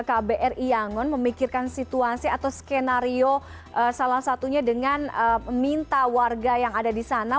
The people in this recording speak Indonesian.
kbri yangon memikirkan situasi atau skenario salah satunya dengan minta warga yang ada di sana